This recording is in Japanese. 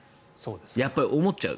やっぱり思っちゃう。